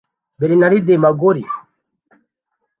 Bernard Mangoli